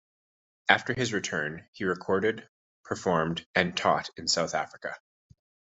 After his return, he recorded, performed, and taught in South Africa.